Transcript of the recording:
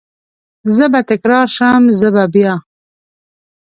زه به تکرار شم، زه به بیا،